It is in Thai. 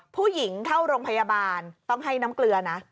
ผู้หญิงเข้าโรงพยาบาลต้องให้น้ำเกลือนะ